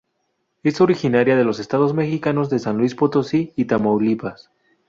Es originaria de los estados mexicanos de San Luis Potosí y Tamaulipas.